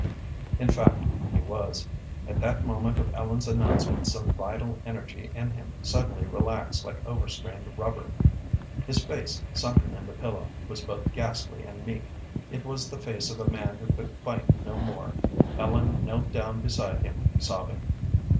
In fact, he was. At that moment of Ellen's announcement some vital energy in him suddenly relaxed like overstrained rubber. His face, sunken in the pillow, was both ghastly and meek. It was the face of a man who could fight no more. Ellen knelt down beside him, sobbing.